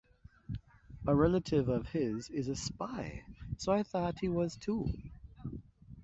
A relative of his is a spy, so I thought that he was too.